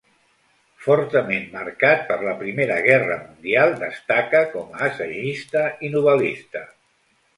Fortament marcat per la Primera Guerra Mundial destaca com a assagista i novel·lista.